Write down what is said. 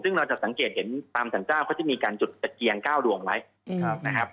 ซึ่งเราจะสังเกตเห็นตามสรรเจ้าเขาจะมีการจุดตะเกียง๙ดวงไว้นะครับ